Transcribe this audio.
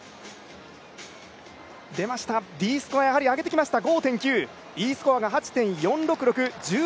Ｄスコア、やはり上げてきました。